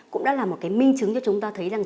cũng đã là một cái minh chứng cho chúng ta thấy rằng